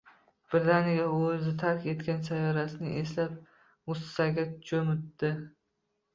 Birdaniga u o‘zi tark etgan sayyorasini eslab g‘ussaga cho‘mdi